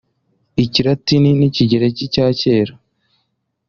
ikilatini n’ikigereki cya kera